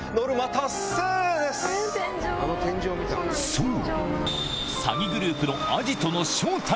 そう！